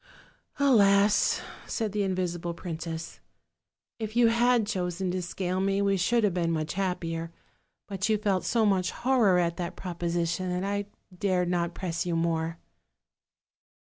"Alas!" said the invisible princess, "if you had chosen to scale me we should have been much happier; but you 292 OLD, OLD FAIRY TALES. felt so much horror at that proposition that I dared not press ytou more."